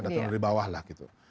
datang dari bawah lah gitu